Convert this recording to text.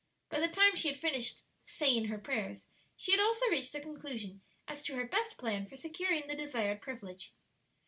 By the time she had finished "saying her prayers," she had also reached a conclusion as to her best plan for securing the desired privilege.